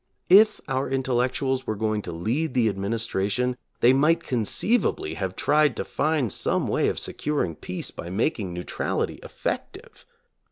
If our in tellectuals were going to lead the administration, they might conceivably have tried to find some way of securing peace by making neutrality effective.